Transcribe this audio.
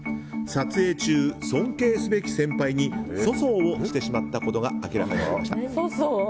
撮影中、尊敬すべき先輩に粗相をしてしまったことが明らかになりました。